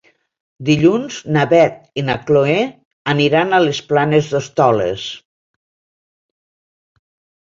Dilluns na Beth i na Chloé aniran a les Planes d'Hostoles.